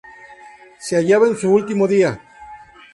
Se hallaba en su último día.